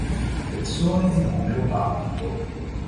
Persone di nome Ubaldo